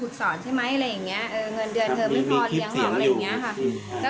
เราจะมาเอาเกงในอีกอะไรอย่างนี้ค่ะ